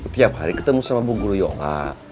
tiap hari ketemu sama bu guru yoga